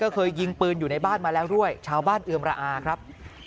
เคยยิงปืนอยู่ในบ้านมาแล้วด้วยชาวบ้านเอือมระอาครับ